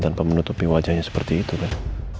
tanpa menutupi wajahnya seperti itu kan